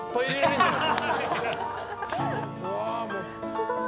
すごい。